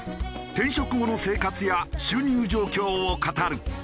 転職後の生活や収入状況を語る。